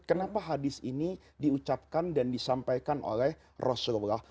kenapa hadis ini diucapkan dan disampaikan oleh rasulullah